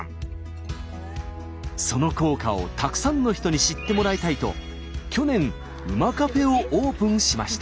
その効果をたくさんの人に知ってもらいたいと去年馬カフェをオープンしました。